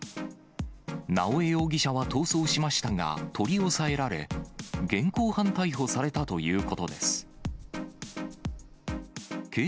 直江容疑者は逃走しましたが、取り押さえられ、現行犯逮捕されたということです。